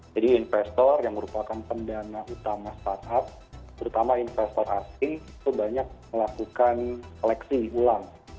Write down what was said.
jadi investor yang merupakan pendana utama startup terutama investor asing itu banyak melakukan koleksi ulang